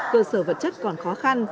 cơ sở vật chất còn khó khăn